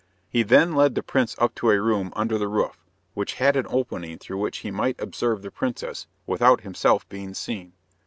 He then led the prince up to a room under the roof, which had an opening through which he might observe the princess, without himself being seen.